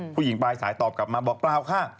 ผู้หญิงปลายสายตอบกลับมาบอกเปล่าค่ะ